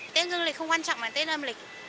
tết dương lịch không quan trọng là tết âm lịch